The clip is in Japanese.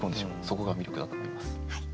そこが魅力だと思います。